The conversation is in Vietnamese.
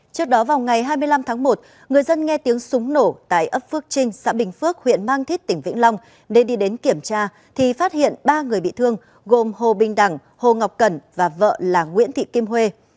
trước đó vào ngày hai mươi năm tháng một người dân nghe tiếng súng nổ tại ấp phước trinh xã bình phước huyện mang thít tỉnh vĩnh long để đi đến kiểm tra thì phát hiện ba người bị thương gồm hồ bình đẳng hồ ngọc cẩn và vợ là nguyễn thị kim huê